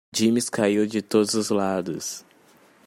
Dimes caiu de todos os lados.